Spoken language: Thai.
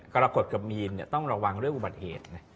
กระกฏดกับมีนต้องระวังด้วยอุบัติเหตุ